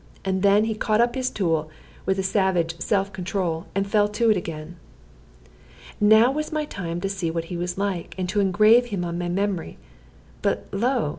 And then he caught up his tool, with a savage self control, and fell to again. Now was my time to see what he was like, and engrave him on my memory. But, lo!